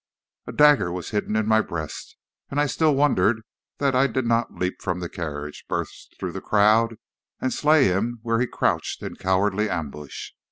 "A dagger was hidden in my breast, and I still wonder that I did not leap from the carriage, burst through the crowd, and slay him where he crouched in cowardly ambush.